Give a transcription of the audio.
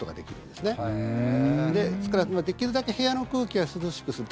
ですから、できるだけ部屋の空気は涼しくする。